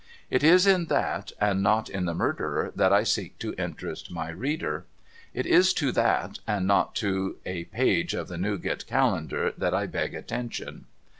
It is in that, and not in the Murderer, that I seek to interest my reader. It is to that, and not to a page of the Newgate Calendar, that I beg attention.